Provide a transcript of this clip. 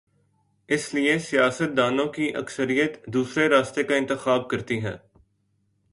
اس لیے سیاست دانوں کی اکثریت دوسرے راستے کا انتخاب کر تی ہے۔